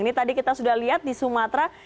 ini tadi kita sudah lihat di sumatera